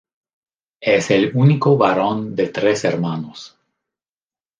Es el único varón de tres hermanos.